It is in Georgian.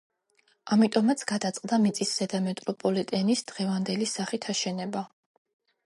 ამიტომაც გადაწყდა მიწისზედა მეტროპოლიტენის დღევანდელი სახით აშენება.